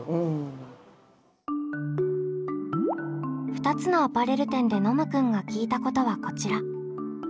２つのアパレル店でノムくんが聞いたことはこちら。